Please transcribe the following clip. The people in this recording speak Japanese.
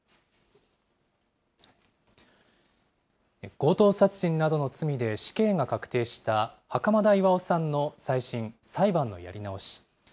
強盗殺人などの罪で死刑が確定した、袴田巌さんの再審・裁判のやり直し。